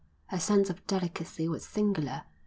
Her sense of delicacy was singular.